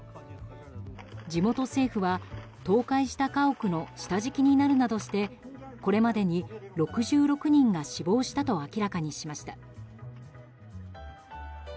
地元政府は、倒壊した家屋の下敷きになるなどしてこれまでに６６人が死亡したと明らかにしました。